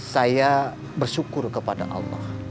saya bersyukur kepada allah